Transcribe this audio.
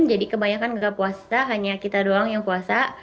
jadi kebanyakan nggak puasa hanya kita doang yang puasa